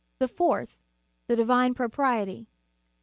The fourth, the divine propriety.